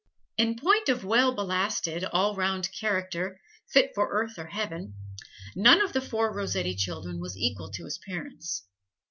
In point of well ballasted, all round character, fit for Earth or Heaven, none of the four Rossetti children was equal to his parents.